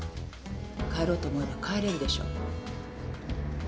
帰ろうと思えば帰れるでしょ。